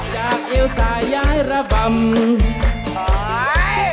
จากเอวสายยายระบำ